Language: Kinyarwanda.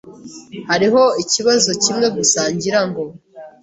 Hariho ikibazo kimwe gusa, ngira ngo.